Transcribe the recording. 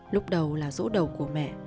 lúc đầu là rỗ đầu của mẹ